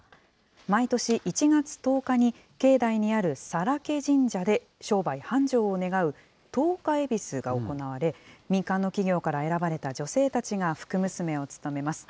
毎年１月１０日に、境内にある佐良気神社で商売繁盛を願う、十日えびすが行われ、民間の企業から選ばれた女性たちが福娘を務めます。